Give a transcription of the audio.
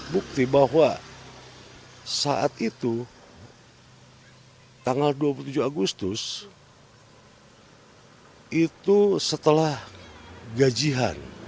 bukti bahwa saat itu tanggal dua puluh tujuh agustus itu setelah gajian